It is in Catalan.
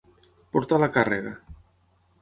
Portar la càrrega.